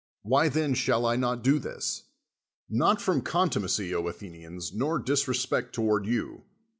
Why then shall I not do this? Xut from contumacy, Athenians, nor disre spect toward you.